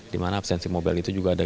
dimana absensi mobile itu juga ada